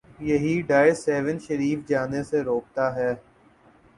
یہی ڈر سیہون شریف جانے سے روکتا ہے۔